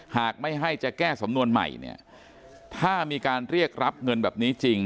หากไม่ให้จะแก้สำนวนใหม่เนี่ยถ้ามีการเรียกรับเงินแบบนี้จริง